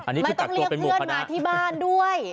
ไม่ต้องเรียกเพื่อนมาที่บ้านด้วย